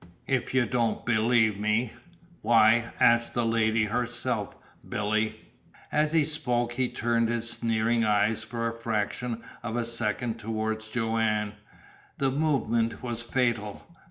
If you don't believe me why, ask the lady herself, Billy!" As he spoke, he turned his sneering eyes for the fraction of a second toward Joanne. The movement was fatal.